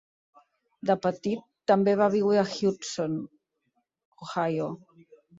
De petit, també va viure a Hudson, Ohio.